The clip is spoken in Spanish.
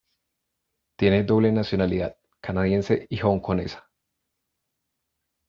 Tiene doble nacionalidad, canadiense y hongkonesa.